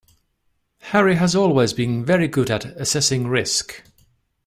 Harry has always been very good at assessing risk